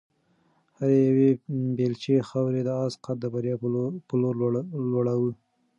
هرې یوې بیلچې خاورې د آس قد د بریا په لور لوړاوه.